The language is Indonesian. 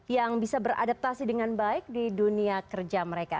yang bisa beradaptasi dengan baik di dunia kerja mereka